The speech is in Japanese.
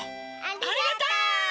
ありがとう！